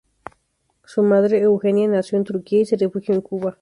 Su madre, Eugenia, nació en Turquía y se refugió en Cuba.